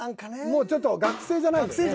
もうちょっと学生じゃないのよ。